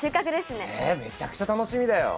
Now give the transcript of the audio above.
ねえめちゃくちゃ楽しみだよ。